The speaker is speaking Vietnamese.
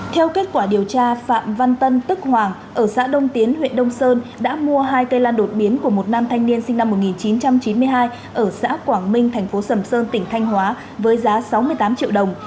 theo kết quả điều tra phạm văn tân tức hoàng ở xã đông tiến huyện đông sơn đã mua hai cây lan đột biến của một nam thanh niên sinh năm một nghìn chín trăm chín mươi hai ở xã quảng minh thành phố sầm sơn tỉnh thanh hóa với giá sáu mươi tám triệu đồng